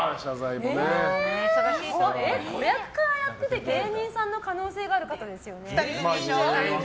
子役からやってて芸人さんの可能性が２人組でしょ。